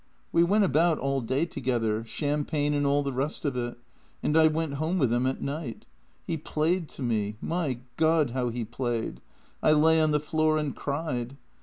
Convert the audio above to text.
"We went about all day together — champagne and all the rest of it — and I went home with him at night. He played to me — my God, how he played ! I lay on the floor and cried.